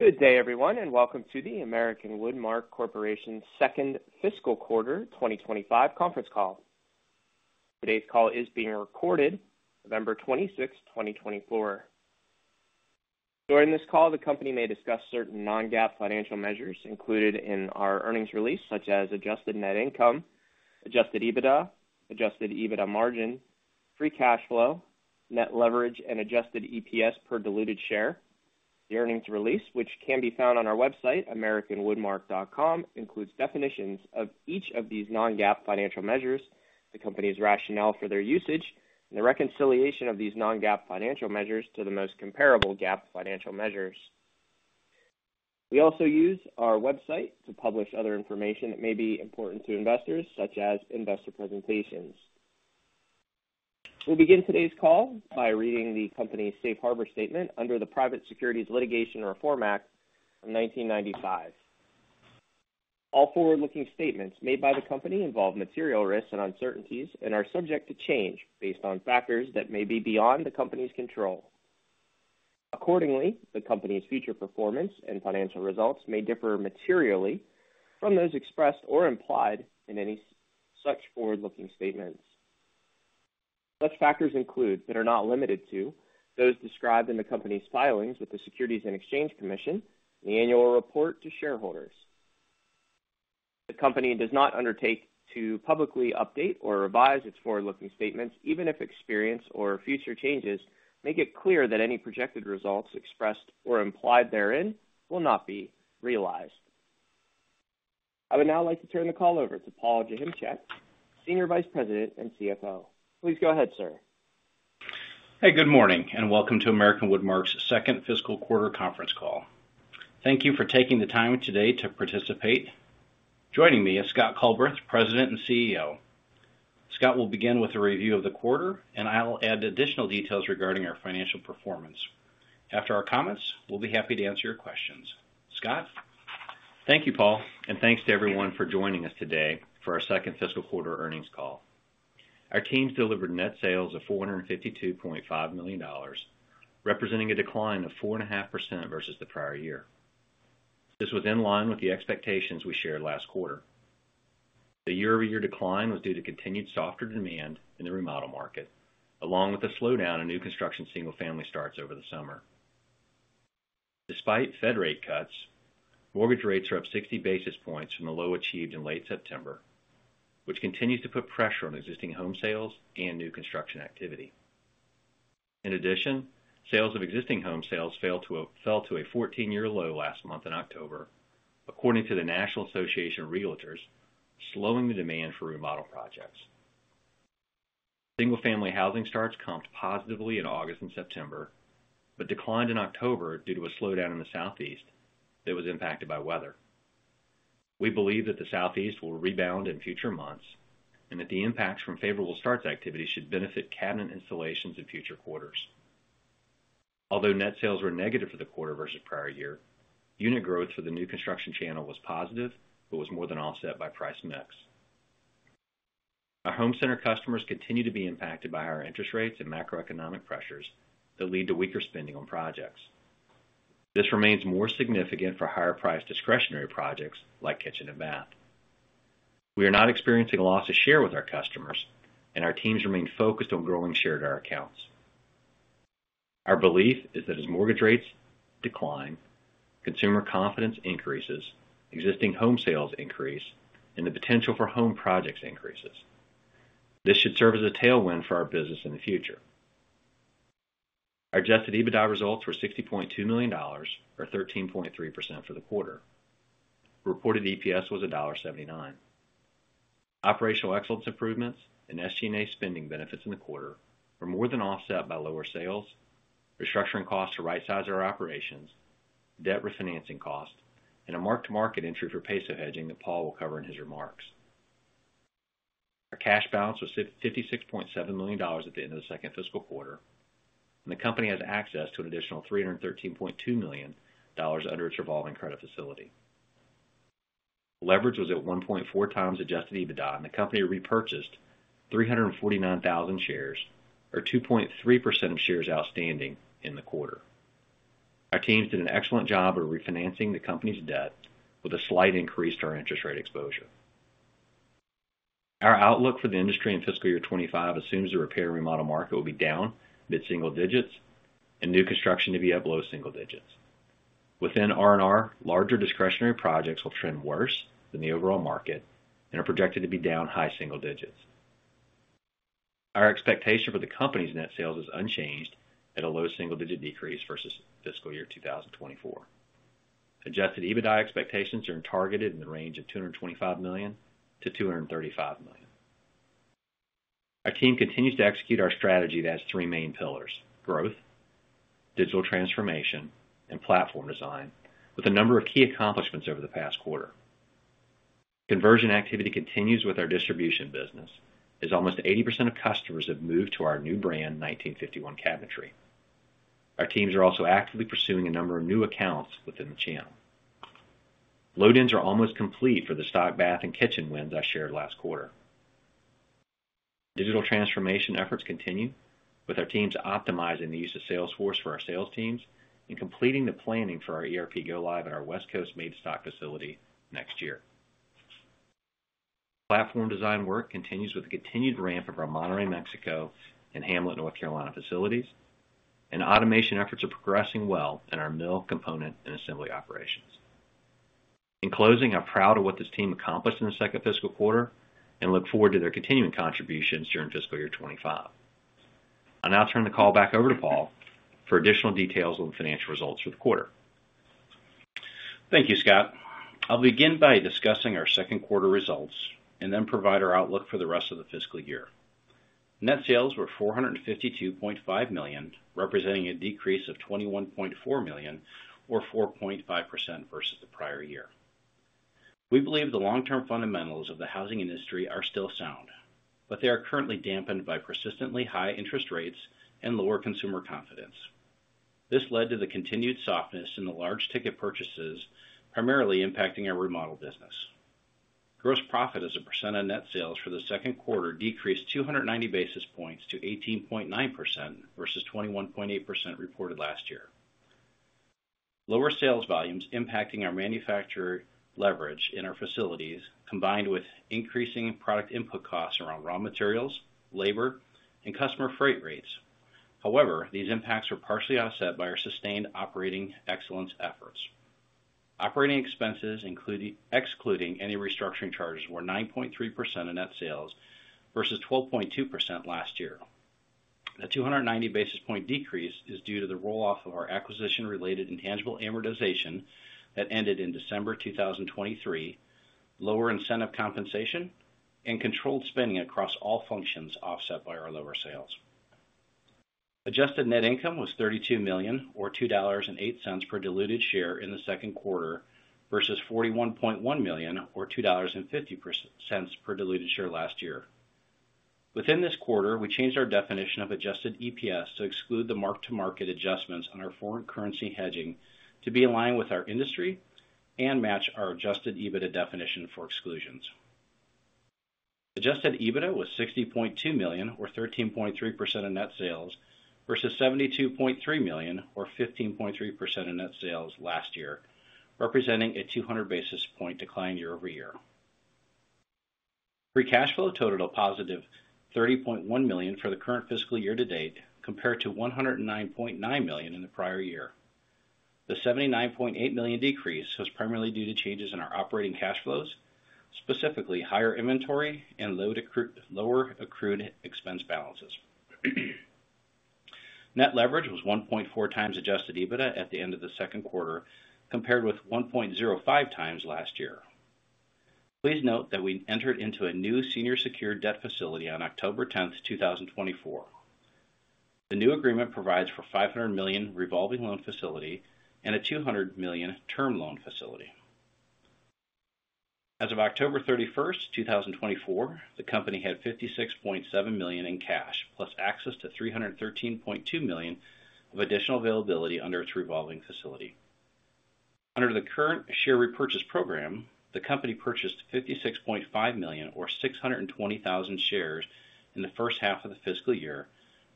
Good day, everyone, and welcome to the American Woodmark Corporation's Second Fiscal Quarter 2025 Conference Call. Today's call is being recorded, November 26, 2024. During this call, the company may discuss certain non-GAAP financial measures included in our earnings release, such as Adjusted net income, adjusted EBITDA, adjusted EBITDA margin, free cash flow, net leverage, and Adjusted EPS per diluted share. The earnings release, which can be found on our website, americanwoodmark.com, includes definitions of each of these non-GAAP financial measures, the company's rationale for their usage, and the reconciliation of these non-GAAP financial measures to the most comparable GAAP financial measures. We also use our website to publish other information that may be important to investors, such as investor presentations. We'll begin today's call by reading the company's safe harbor statement under the Private Securities Litigation Reform Act of 1995. All forward-looking statements made by the company involve material risks and uncertainties and are subject to change based on factors that may be beyond the company's control. Accordingly, the company's future performance and financial results may differ materially from those expressed or implied in any such forward-looking statements. Such factors include but are not limited to those described in the company's filings with the Securities and Exchange Commission and the annual report to shareholders. The company does not undertake to publicly update or revise its forward-looking statements, even if experience or future changes make it clear that any projected results expressed or implied therein will not be realized. I would now like to turn the call over to Paul Joachimczyk, Senior Vice President and CFO. Please go ahead, sir. Hey, good morning, and welcome to American Woodmark's second fiscal quarter conference call. Thank you for taking the time today to participate. Joining me is Scott Culbreth, President and CEO. Scott will begin with a review of the quarter, and I'll add additional details regarding our financial performance. After our comments, we'll be happy to answer your questions. Scott? Thank you, Paul, and thanks to everyone for joining us today for our second fiscal quarter earnings call. Our teams delivered net sales of $452.5 million, representing a decline of 4.5% versus the prior year. This was in line with the expectations we shared last quarter. The year-over-year decline was due to continued softer demand in the remodel market, along with the slowdown in new construction single-family starts over the summer. Despite Fed rate cuts, mortgage rates are up 60 basis points from the low achieved in late September, which continues to put pressure on existing home sales and new construction activity. In addition, existing home sales fell to a 14-year low last month in October, according to the National Association of Realtors, slowing the demand for remodel projects. Single-family housing starts comped positively in August and September but declined in October due to a slowdown in the Southeast that was impacted by weather. We believe that the Southeast will rebound in future months and that the impacts from favorable starts activity should benefit cabinet installations in future quarters. Although net sales were negative for the quarter versus prior year, unit growth for the new construction channel was positive but was more than offset by price mixes. Our home center customers continue to be impacted by higher interest rates and macroeconomic pressures that lead to weaker spending on projects. This remains more significant for higher-priced discretionary projects like kitchen and bath. We are not experiencing a loss of share with our customers, and our teams remain focused on growing share to our accounts. Our belief is that as mortgage rates decline, consumer confidence increases, existing home sales increase, and the potential for home projects increases, this should serve as a tailwind for our business in the future. Our adjusted EBITDA results were $60.2 million, or 13.3% for the quarter. Reported EPS was $1.79. Operational excellence improvements and SG&A spending benefits in the quarter were more than offset by lower sales, restructuring costs to right-size our operations, debt refinancing costs, and a mark-to-market entry for peso hedging that Paul will cover in his remarks. Our cash balance was $56.7 million at the end of the second fiscal quarter, and the company has access to an additional $313.2 million under its revolving credit facility. Leverage was at 1.4 times adjusted EBITDA, and the company repurchased 349,000 shares, or 2.3% of shares outstanding in the quarter. Our teams did an excellent job of refinancing the company's debt with a slight increase to our interest rate exposure. Our outlook for the industry in fiscal year 2025 assumes the repair and remodel market will be down mid-single digits and new construction to be at low single digits. Within R&R, larger discretionary projects will trend worse than the overall market and are projected to be down high single digits. Our expectation for the company's net sales is unchanged at a low single-digit decrease versus fiscal year 2024. Adjusted EBITDA expectations are targeted in the range of $225 million-$235 million. Our team continues to execute our strategy that has three main pillars: growth, digital transformation, and platform design, with a number of key accomplishments over the past quarter. Conversion activity continues with our distribution business, as almost 80% of customers have moved to our new brand 1951 Cabinetry. Our teams are also actively pursuing a number of new accounts within the channel. Load-ins are almost complete for the stock, bath, and kitchen wins I shared last quarter. Digital transformation efforts continue with our teams optimizing the use of Salesforce for our sales teams and completing the planning for our ERP go-live at our West Coast made-to-stock facility next year. Platform design work continues with the continued ramp of our Monterrey, Mexico, and Hamlet, North Carolina facilities, and automation efforts are progressing well in our mill component and assembly operations. In closing, I'm proud of what this team accomplished in the second fiscal quarter and look forward to their continuing contributions during fiscal year 2025. I'll now turn the call back over to Paul for additional details on the financial results for the quarter. Thank you, Scott. I'll begin by discussing our second quarter results and then provide our outlook for the rest of the fiscal year. Net sales were $452.5 million, representing a decrease of $21.4 million, or 4.5% versus the prior year. We believe the long-term fundamentals of the housing industry are still sound, but they are currently dampened by persistently high interest rates and lower consumer confidence. This led to the continued softness in the large-ticket purchases, primarily impacting our remodel business. Gross profit as a percent on net sales for the second quarter decreased 290 basis points to 18.9% versus 21.8% reported last year. Lower sales volumes impacting our manufacturing leverage in our facilities, combined with increasing product input costs around raw materials, labor, and customer freight rates. However, these impacts are partially offset by our sustained operating excellence efforts. Operating expenses, excluding any restructuring charges, were 9.3% of net sales versus 12.2% last year. The 290 basis points decrease is due to the roll-off of our acquisition-related intangible amortization that ended in December 2023, lower incentive compensation, and controlled spending across all functions offset by our lower sales. Adjusted net income was $32 million, or $2.08 per diluted share in the second quarter versus $41.1 million, or $2.50 per diluted share last year. Within this quarter, we changed our definition of Adjusted EPS to exclude the mark-to-market adjustments on our foreign currency hedging to be aligned with our industry and match our adjusted EBITDA definition for exclusions. Adjusted EBITDA was $60.2 million, or 13.3% of net sales, versus $72.3 million, or 15.3% of net sales last year, representing a 200 basis points decline year-over-year. Free cash flow totaled a positive $30.1 million for the current fiscal year to date, compared to $109.9 million in the prior year. The $79.8 million decrease was primarily due to changes in our operating cash flows, specifically higher inventory and lower accrued expense balances. Net leverage was 1.4 times adjusted EBITDA at the end of the second quarter, compared with 1.05 times last year. Please note that we entered into a new senior secured debt facility on October 10, 2024. The new agreement provides for a $500 million revolving loan facility and a $200 million term loan facility. As of October 31, 2024, the company had $56.7 million in cash, plus access to $313.2 million of additional availability under its revolving facility. Under the current share repurchase program, the company purchased $56.5 million, or 620,000 shares in the first half of the fiscal year,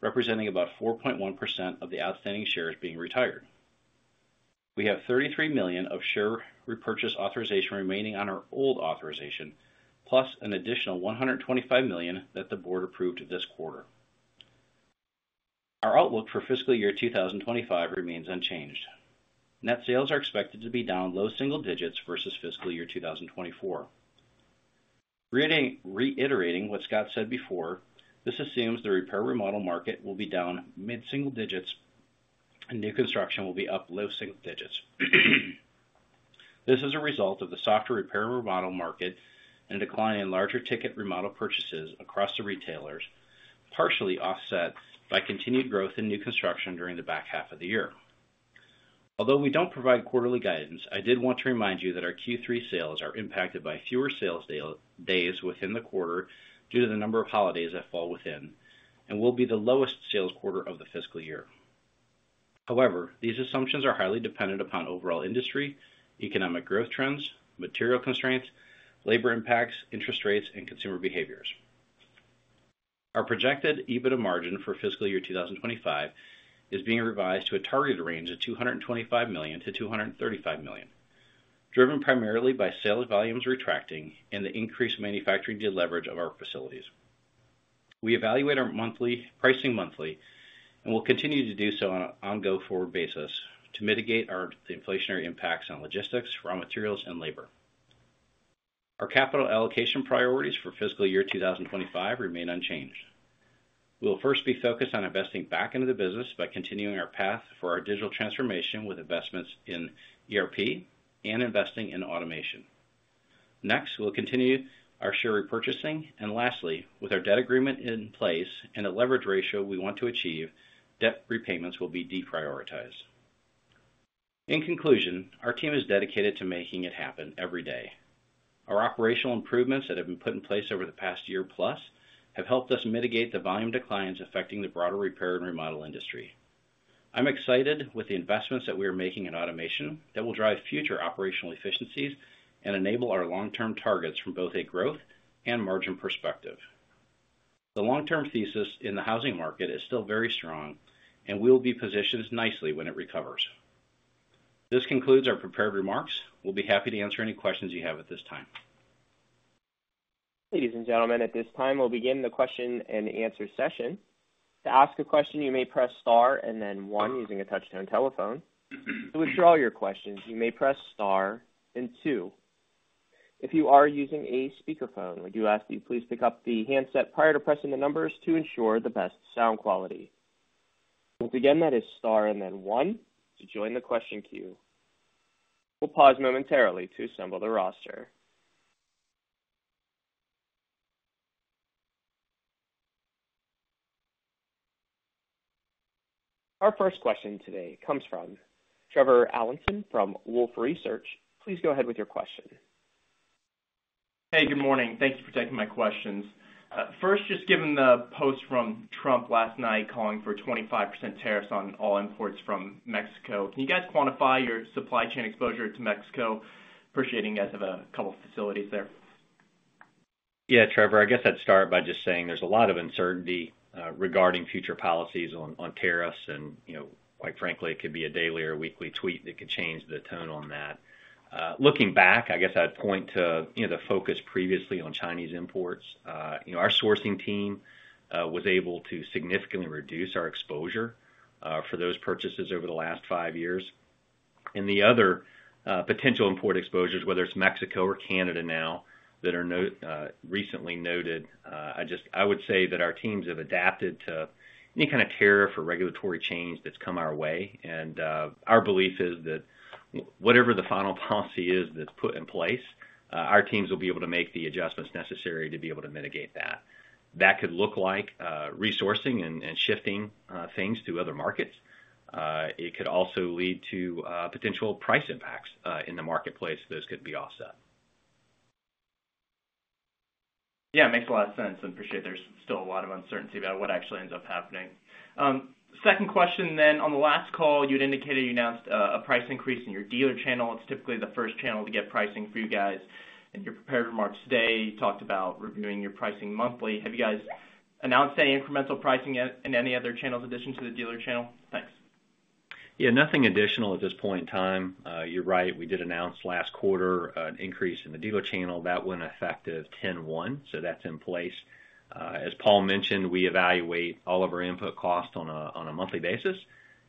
representing about 4.1% of the outstanding shares being retired. We have $33 million of share repurchase authorization remaining on our old authorization, plus an additional $125 million that the Board approved this quarter. Our outlook for fiscal year 2025 remains unchanged. Net sales are expected to be down low single digits versus fiscal year 2024. Reiterating what Scott said before, this assumes the repair remodel market will be down mid-single digits and new construction will be up low single digits. This is a result of the softer repair remodel market and decline in larger-ticket remodel purchases across the retailers, partially offset by continued growth in new construction during the back half of the year. Although we don't provide quarterly guidance, I did want to remind you that our Q3 sales are impacted by fewer sales days within the quarter due to the number of holidays that fall within and will be the lowest sales quarter of the fiscal year. However, these assumptions are highly dependent upon overall industry, economic growth trends, material constraints, labor impacts, interest rates, and consumer behaviors. Our projected EBITDA margin for fiscal year 2025 is being revised to a target range of $225 million-$235 million, driven primarily by sales volumes retracting and the increased manufacturing deleverage of our facilities. We evaluate our pricing monthly and will continue to do so on a go-forward basis to mitigate the inflationary impacts on logistics, raw materials, and labor. Our capital allocation priorities for fiscal year 2025 remain unchanged. We will first be focused on investing back into the business by continuing our path for our digital transformation with investments in ERP and investing in automation. Next, we'll continue our share repurchasing, and lastly, with our debt agreement in place and a leverage ratio we want to achieve, debt repayments will be deprioritized. In conclusion, our team is dedicated to making it happen every day. Our operational improvements that have been put in place over the past year plus have helped us mitigate the volume declines affecting the broader repair and remodel industry. I'm excited with the investments that we are making in automation that will drive future operational efficiencies and enable our long-term targets from both a growth and margin perspective. The long-term thesis in the housing market is still very strong, and we will be positioned nicely when it recovers. This concludes our prepared remarks. We'll be happy to answer any questions you have at this time. Ladies and gentlemen, at this time, we'll begin the question and answer session. To ask a question, you may press star and then one using a touch-tone telephone. To withdraw your questions, you may press star and two. If you are using a speakerphone, we do ask that you please pick up the handset prior to pressing the numbers to ensure the best sound quality. Once again, that is star and then one to join the question queue. We'll pause momentarily to assemble the roster. Our first question today comes from Trevor Allinson from Wolfe Research. Please go ahead with your question. Hey, good morning. Thank you for taking my questions. First, just given the post from Trump last night calling for a 25% tariff on all imports from Mexico, can you guys quantify your supply chain exposure to Mexico? Appreciating you guys have a couple of facilities there. Yeah, Trevor, I guess I'd start by just saying there's a lot of uncertainty regarding future policies on tariffs, and quite frankly, it could be a daily or a weekly tweet that could change the tone on that. Looking back, I guess I'd point to the focus previously on Chinese imports. Our sourcing team was able to significantly reduce our exposure for those purchases over the last five years. And the other potential import exposures, whether it's Mexico or Canada now, that are recently noted, I would say that our teams have adapted to any kind of tariff or regulatory change that's come our way. And our belief is that whatever the final policy is that's put in place, our teams will be able to make the adjustments necessary to be able to mitigate that. That could look like resourcing and shifting things to other markets. It could also lead to potential price impacts in the marketplace that could be offset. Yeah, it makes a lot of sense. I appreciate there's still a lot of uncertainty about what actually ends up happening. Second question then, on the last call, you had indicated you announced a price increase in your dealer channel. It's typically the first channel to get pricing for you guys. In your prepared remarks today, you talked about reviewing your pricing monthly. Have you guys announced any incremental pricing in any other channels in addition to the dealer channel? Thanks. Yeah, nothing additional at this point in time. You're right. We did announce last quarter an increase in the dealer channel. That went effective 10/01, so that's in place. As Paul mentioned, we evaluate all of our input costs on a monthly basis,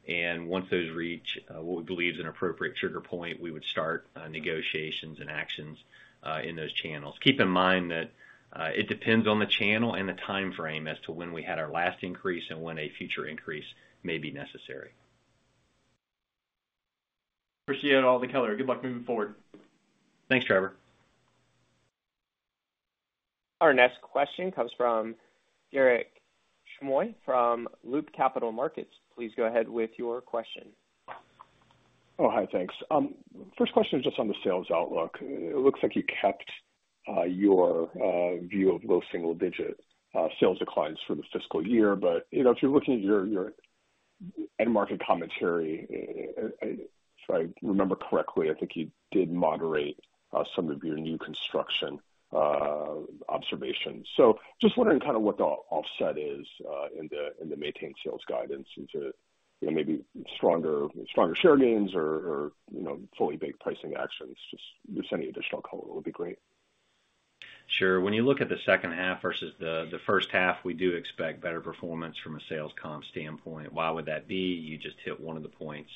and once those reach what we believe is an appropriate trigger point, we would start negotiations and actions in those channels. Keep in mind that it depends on the channel and the timeframe as to when we had our last increase and when a future increase may be necessary. Appreciate all the color. Good luck moving forward. Thanks, Trevor. Our next question comes from Garik Shmois from Loop Capital Markets. Please go ahead with your question. Oh, hi, thanks. First question is just on the sales outlook. It looks like you kept your view of low single-digit sales declines for the fiscal year, but if you're looking at your end-market commentary, if I remember correctly, I think you did moderate some of your new construction observations. So just wondering kind of what the offset is in the maintained sales guidance into maybe stronger share gains or fully-baked pricing actions. Just any additional color would be great. Sure. When you look at the second half versus the first half, we do expect better performance from a sales comp standpoint. Why would that be? You just hit one of the points.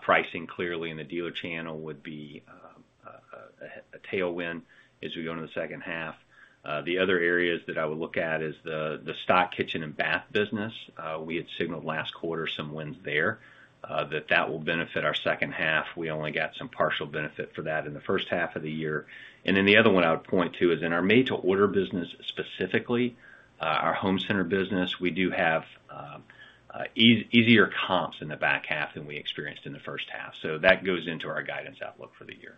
Pricing clearly in the dealer channel would be a tailwind as we go into the second half. The other areas that I would look at is the stock kitchen and bath business. We had signaled last quarter some wins there that will benefit our second half. We only got some partial benefit for that in the first half of the year. And then the other one I would point to is in our made-to-order business specifically, our home center business, we do have easier comps in the back half than we experienced in the first half. So that goes into our guidance outlook for the year.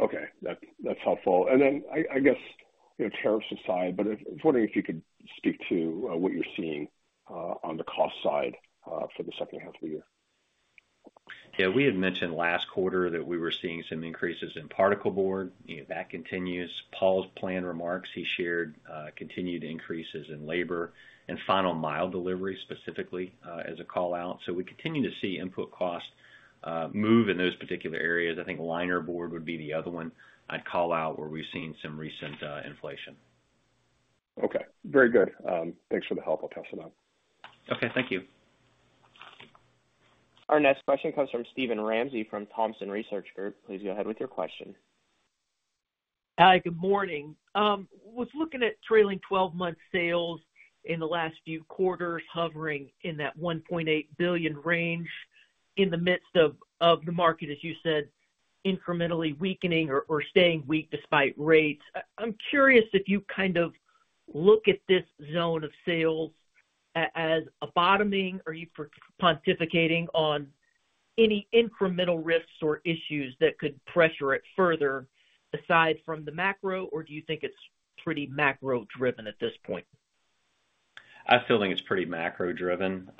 Okay. That's helpful. And then I guess tariffs aside, but I was wondering if you could speak to what you're seeing on the cost side for the second half of the year. Yeah, we had mentioned last quarter that we were seeing some increases in particle board. That continues. Paul's planned remarks, he shared continued increases in labor and final mile delivery specifically as a callout. So we continue to see input cost move in those particular areas. I think linerboard would be the other one I'd call out where we've seen some recent inflation. Okay. Very good. Thanks for the help. I'll pass it on. Okay. Thank you. Our next question comes from Steven Ramsey from Thompson Research Group. Please go ahead with your question. Hi, good morning. I was looking at trailing 12-month sales in the last few quarters hovering in that $1.8 billion range in the midst of the market, as you said, incrementally weakening or staying weak despite rates. I'm curious if you kind of look at this zone of sales as a bottoming? Are you pontificating on any incremental risks or issues that could pressure it further aside from the macro, or do you think it's pretty macro-driven at this point? I still think it's pretty macro-driven.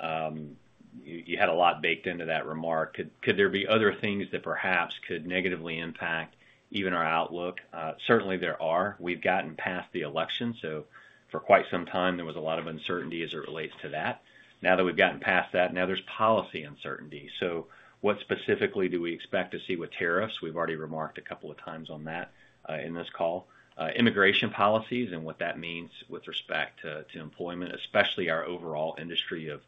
You had a lot baked into that remark. Could there be other things that perhaps could negatively impact even our outlook? Certainly, there are. We've gotten past the election, so for quite some time, there was a lot of uncertainty as it relates to that. Now that we've gotten past that, now there's policy uncertainty. So what specifically do we expect to see with tariffs? We've already remarked a couple of times on that in this call. Immigration policies and what that means with respect to employment, especially our overall industry of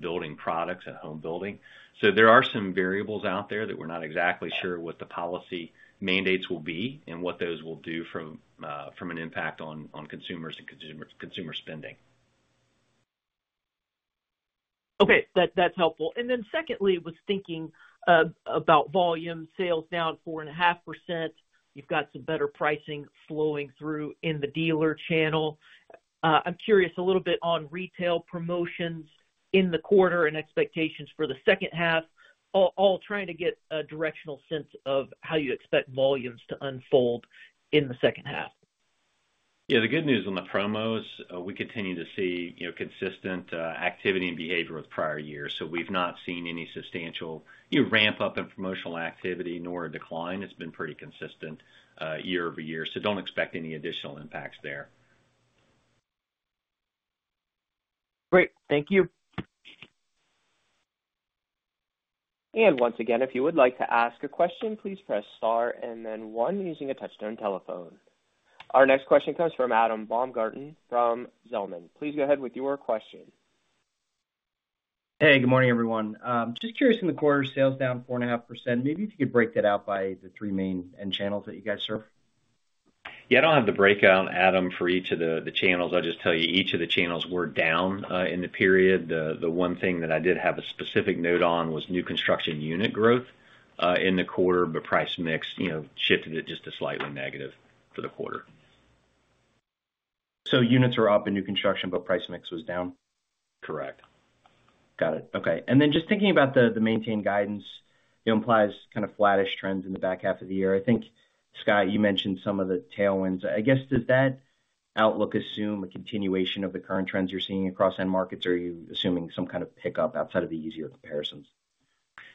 building products and home building. So there are some variables out there that we're not exactly sure what the policy mandates will be and what those will do from an impact on consumers and consumer spending. Okay. That's helpful. And then secondly, was thinking about volume sales down 4.5%. You've got some better pricing flowing through in the dealer channel. I'm curious a little bit on retail promotions in the quarter and expectations for the second half, all trying to get a directional sense of how you expect volumes to unfold in the second half. Yeah, the good news on the promos, we continue to see consistent activity and behavior with prior years. So we've not seen any substantial ramp-up in promotional activity nor a decline. It's been pretty consistent year-over-year. So don't expect any additional impacts there. Great. Thank you. Once again, if you would like to ask a question, please press star and then one using a touch-tone telephone. Our next question comes from Adam Baumgarten from Zelman. Please go ahead with your question. Hey, good morning, everyone. Just curious, in the quarter, sales down 4.5%. Maybe if you could break that out by the three main end channels that you guys serve? Yeah, I don't have the breakout, Adam, for each of the channels. I'll just tell you each of the channels were down in the period. The one thing that I did have a specific note on was new construction unit growth in the quarter, but price mix shifted it just a slightly negative for the quarter. So units are up in new construction, but price mix was down? Correct. Got it. Okay. And then just thinking about the maintained guidance, it implies kind of flattish trends in the back half of the year. I think, Scott, you mentioned some of the tailwinds. I guess, does that outlook assume a continuation of the current trends you're seeing across end markets, or are you assuming some kind of pickup outside of the easier comparisons?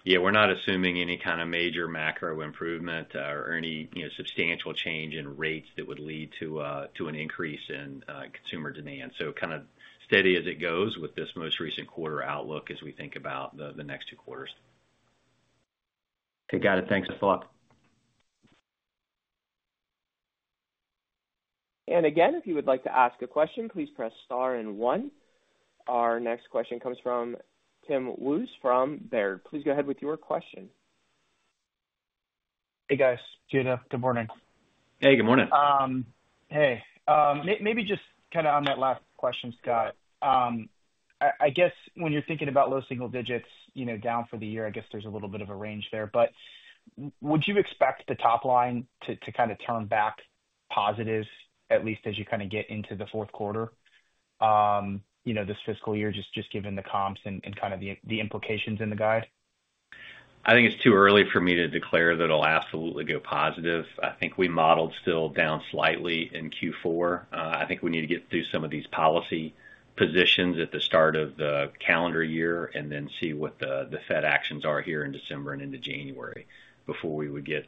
Yeah, we're not assuming any kind of major macro improvement or any substantial change in rates that would lead to an increase in consumer demand, so kind of steady as it goes with this most recent quarter outlook as we think about the next two quarters. Okay. Got it. Thanks a lot. Again, if you would like to ask a question, please press star and one. Our next question comes from Tim Wojs from Baird. Please go ahead with your question. Hey, guys. Gentlemen, good morning. Hey, good morning. Hey. Maybe just kind of on that last question, Scott, I guess when you're thinking about low single digits down for the year, I guess there's a little bit of a range there. But would you expect the top line to kind of turn back positive, at least as you kind of get into the fourth quarter this fiscal year, just given the comps and kind of the implications in the guide? I think it's too early for me to declare that it'll absolutely go positive. I think we modeled still down slightly in Q4. I think we need to get through some of these policy positions at the start of the calendar year and then see what the Fed actions are here in December and into January before we would get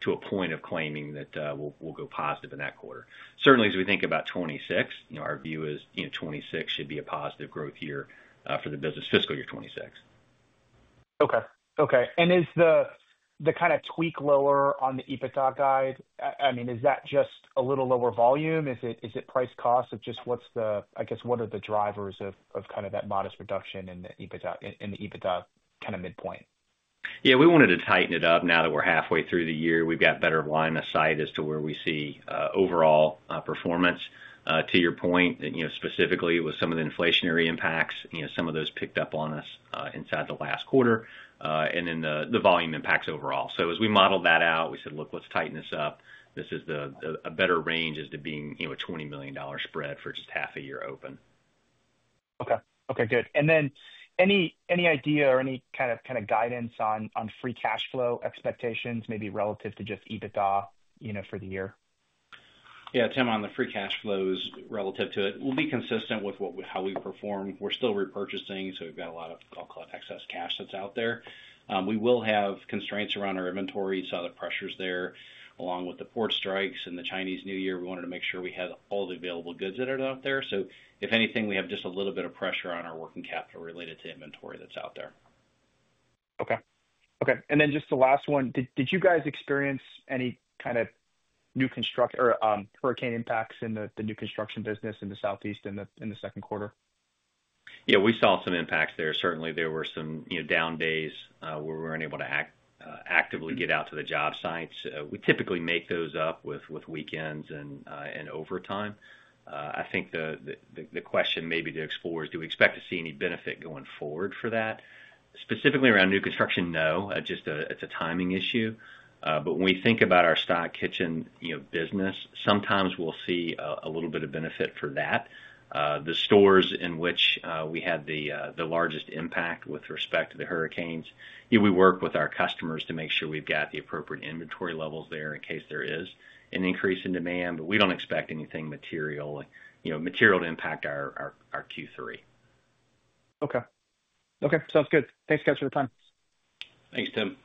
to a point of claiming that we'll go positive in that quarter. Certainly, as we think about 2026, our view is 2026 should be a positive growth year for the business, fiscal year 2026. Okay. Okay. And is the kind of tweak lower on the EBITDA guide? I mean, is that just a little lower volume? Is it price, cost, or just what's the, I guess, what are the drivers of kind of that modest reduction in the EBITDA kind of midpoint? Yeah, we wanted to tighten it up. Now that we're halfway through the year, we've got better line of sight as to where we see overall performance. To your point, specifically with some of the inflationary impacts, some of those picked up on us inside the last quarter, and then the volume impacts overall. So as we modeled that out, we said, "Look, let's tighten this up." This is a better range as to being a $20 million spread for just half a year open. Okay. Good. And then any idea or any kind of guidance on free cash flow expectations, maybe relative to just EBITDA for the year? Yeah, Tim, on the free cash flows relative to it, we'll be consistent with how we perform. We're still repurchasing, so we've got a lot of, I'll call it, excess cash that's out there. We will have constraints around our inventory, so other pressures there. Along with the port strikes and the Chinese New Year, we wanted to make sure we had all the available goods that are out there. So if anything, we have just a little bit of pressure on our working capital related to inventory that's out there. Okay. Okay. And then just the last one, did you guys experience any kind of new construction or hurricane impacts in the new construction business in the Southeast in the second quarter? Yeah, we saw some impacts there. Certainly, there were some down days where we weren't able to actively get out to the job sites. We typically make those up with weekends and overtime. I think the question maybe to explore is, do we expect to see any benefit going forward for that? Specifically around new construction, no. It's a timing issue. But when we think about our stock kitchen business, sometimes we'll see a little bit of benefit for that. The stores in which we had the largest impact with respect to the hurricanes, we work with our customers to make sure we've got the appropriate inventory levels there in case there is an increase in demand, but we don't expect anything material to impact our Q3. Okay. Okay. Sounds good. Thanks, guys, for the time. Thanks, Tim.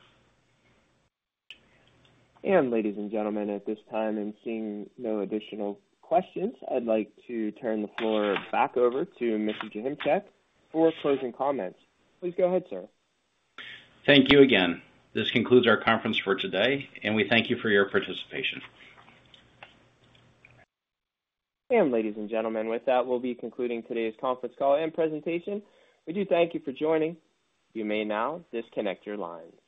Ladies and gentlemen, at this time, and seeing no additional questions, I'd like to turn the floor back over to Mr. Joachimczyk for closing comments. Please go ahead, sir. Thank you again. This concludes our conference for today, and we thank you for your participation. Ladies and gentlemen, with that, we'll be concluding today's conference call and presentation. We do thank you for joining. You may now disconnect your lines.